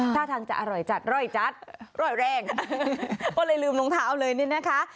ท่าทางจะอร่อยจัดร่อยจัดร่อยแรงก็เลยลืมรองเท้าเลยนี่นะคะ